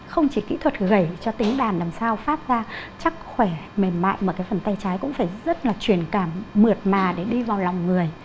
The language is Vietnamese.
không chỉ kỹ thuật gầy cho tính đàn làm sao phát ra chắc khỏe mềm mại mà cái phần tay trái cũng phải rất là truyền cảm mượt mà để đi vào lòng người